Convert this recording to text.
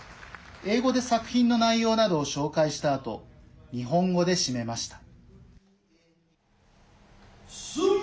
英語で作品の内容などを紹介したあと日本語で締めました。